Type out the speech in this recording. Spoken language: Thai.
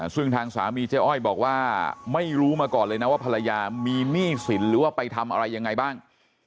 ซึ่งทางสามีเจ๊อ้อยบอกว่าไม่รู้มาก่อนเลยนะว่าภรรยามีหนี้สินหรือว่าไปทำอะไรยังไงบ้าง